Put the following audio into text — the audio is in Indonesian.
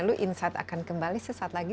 lalu insight akan kembali sesaat lagi